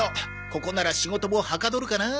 ここなら仕事もはかどるかな。